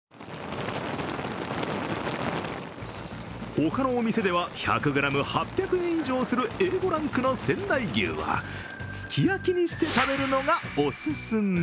他のお店では１００ｇ８００円以上するＡ５ランクの仙台牛はすき焼きにして食べるのがオススメ。